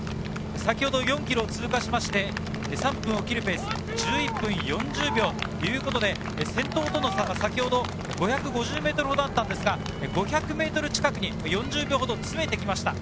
４ｋｍを通過して３分を切るペース、１１分４０秒ということで、先頭との差が５５０メートルほどありましたが、５００ｍ近くに４０秒ほど詰めてきました。